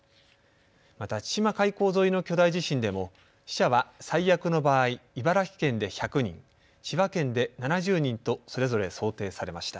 また千島海溝沿いの巨大地震でも死者は最悪の場合、茨城県で１００人、千葉県で７０人とそれぞれ想定されました。